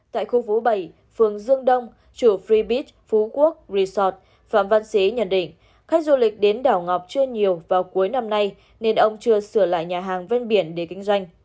tại khu vũ bảy phường dương đông chủ free beach phú quốc resort phạm văn xí nhận định khách du lịch đến đảo ngọc chưa nhiều vào cuối năm nay nên ông chưa sửa lại nhà hàng ven biển để kinh doanh